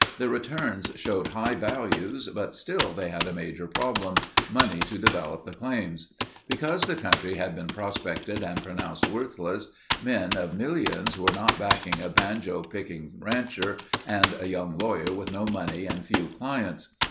The returns showed high values but still they had a major problem—money to develop the claims. Because the country had been prospected and pronounced worthless, men of millions were not backing a banjo picking rancher and a young lawyer with no money and few clients.